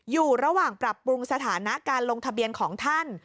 อยู่ระหว่างปรับปรุงสถานะการลงทะเบียนของท่าน